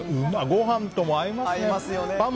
ご飯とも合いますね。